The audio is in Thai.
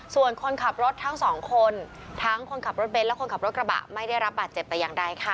ส่วนคนขับรถทั้งสองคนทั้งคนขับรถเบนท์และคนขับรถกระบะไม่ได้รับบาดเจ็บแต่อย่างใดค่ะ